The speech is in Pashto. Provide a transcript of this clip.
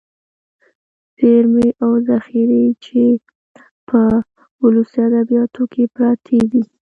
ذېرمې او ذخيرې چې په ولسي ادبياتو کې پراتې دي.